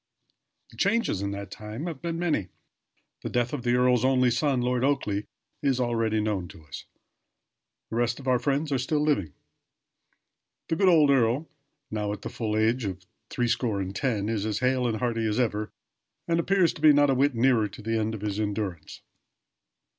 The changes in that time have been many. The death of the earl's only son, Lord Oakleigh, is already known to us. The rest of our friends are still living. The good old earl, now at the full age of three score and ten, is as hale and hearty as ever, and appears to be not a whit nearer to the end of his endurance.